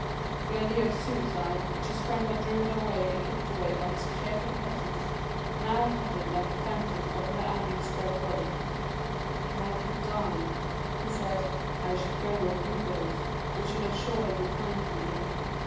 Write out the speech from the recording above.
The idea of suicide, which his friend had driven away and kept away by his cheerful presence, now hovered like a phantom over the abbé's dead body. "If I could die," he said, "I should go where he goes, and should assuredly find him again.